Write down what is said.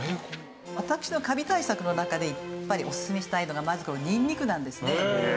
私のカビ対策の中でやっぱりおすすめしたいのがまずこのにんにくなんですね。